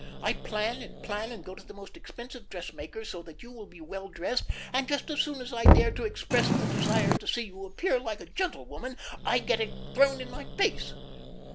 I plan and plan, and go to the most expensive dressmakers so that you will be well dressed, and just as soon as I dare to express the desire to see you appear like a gentlewoman, I get it thrown in my face.